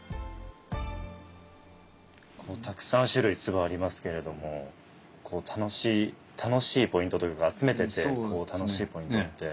たくさん種類鐔ありますけれどもこう楽しいポイントというか集めててこう楽しいポイントって。